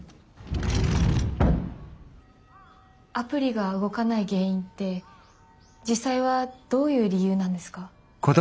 アプリが動かない原因って実際はどういう理由なんですか？